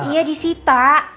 iya di sita